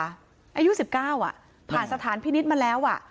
อายุสิบเก้าอ่ะผ่านสถานพินิษฐ์มาแล้วอ่ะ